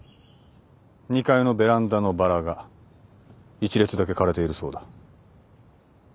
２階のベランダのバラが１列だけ枯れているそうだ。